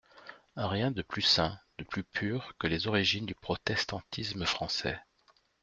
Rien de plus saint, de plus pur, que les origines du protestantisme français.